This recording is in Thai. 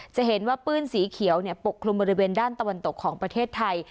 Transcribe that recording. จะเห็นว่าปื้นสีเขียวปกคลุมบริเวณด้านตะวันตกของประเทศไทย